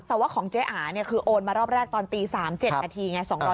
แต่ว่าของเจ๊อาเนี่ยคือโอนมารอบแรกตอนตี๓๗นาทีไง